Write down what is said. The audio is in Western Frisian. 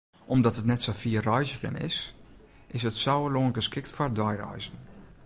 Omdat it net sa fier reizgjen is, is it Sauerlân geskikt foar deireizen.